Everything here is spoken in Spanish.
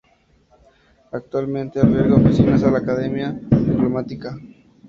Actualmente alberga oficinas del la Academia Diplomática.